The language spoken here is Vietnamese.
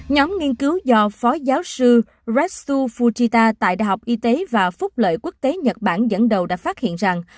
nhóm nghiên cứu do phó giáo sư restsu fuchita tại đại học y tế và phúc lợi quốc tế nhật bản dẫn đầu đã phát hiện rằng